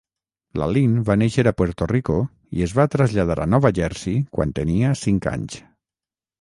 La Lynn va néixer a Puerto Rico i es va traslladar a Nova Jersey quan tenia cinc anys.